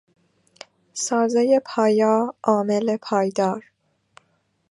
سازهی پایا، عامل پایدار